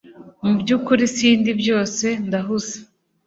mubyukuri sindi byose ndahuze